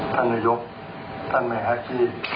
ท่านนโยคท่านไม่แฮปปี้